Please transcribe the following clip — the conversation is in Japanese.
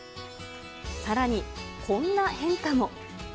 さらに、こんな変化も。